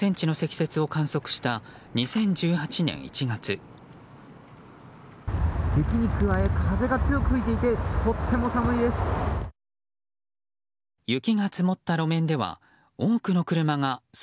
雪に加え風が強く吹いていてとても寒いです。